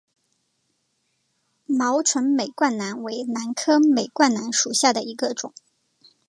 毛唇美冠兰为兰科美冠兰属下的一个种。